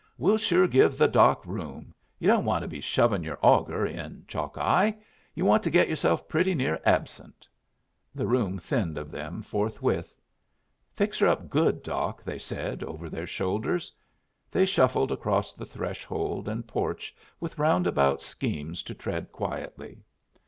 "We'll sure give the Doc room. You don't want to be shovin' your auger in, Chalkeye. You want to get yourself pretty near absent." The room thinned of them forthwith. "Fix her up good, Doc," they said, over their shoulders. They shuffled across the threshold and porch with roundabout schemes to tread quietly.